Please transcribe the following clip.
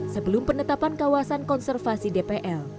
sebelum penetapan kawasan konservasi dpl